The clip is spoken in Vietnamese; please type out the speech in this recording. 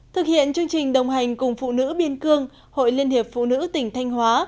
thực hiện chương trình đồng hành cùng phụ nữ biên cương hội liên hiệp phụ nữ tỉnh thanh hóa